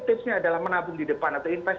tipsnya adalah menabung di depan atau invest